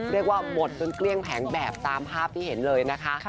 เรียกว่าหมดจนเกลี้ยงแผงแบบตามภาพที่เห็นเลยนะคะ